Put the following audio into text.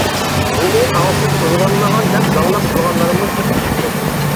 مېنى ئاڭسىز، ئويغانمىغان دەپ زاڭلىق قىلغانلارمۇ جىق چىقتى.